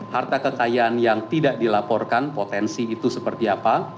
harta kekayaan yang tidak dilaporkan potensi itu seperti apa